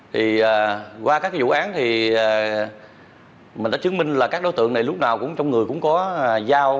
thì qua các vụ án thì mình đã chứng minh là các đối tượng này lúc nào cũng trong người cũng có giao